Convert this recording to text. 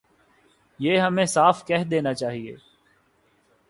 یہ ہمیں صاف کہہ دینا چاہیے۔